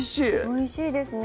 おいしいですね